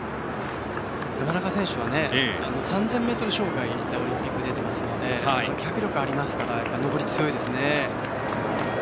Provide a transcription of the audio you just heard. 山中選手は３０００ｍ障害でオリンピックに出ているので脚力がありますから上り強いですね。